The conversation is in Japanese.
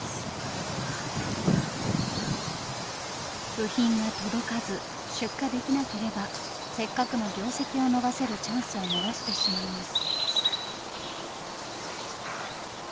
部品が届かず出荷できなければせっかくの業績を伸ばせるチャンスを逃してしまいます。